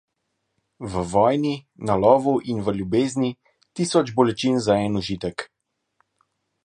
V vojni, na lovu in v ljubezni - tisoč bolečin za en užitek.